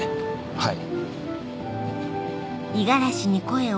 はい。